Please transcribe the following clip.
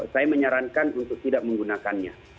saya menyarankan untuk tidak menggunakannya